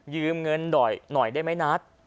เงินหน่อยได้ไหมนัท